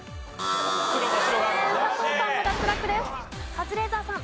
カズレーザーさん。